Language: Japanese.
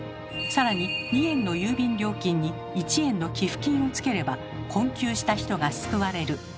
さらに２円の郵便料金に１円の寄付金を付ければ困窮した人が救われる。